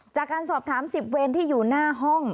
จากการสอบถาม๑๐เวรที่อยู่หน้าห้อง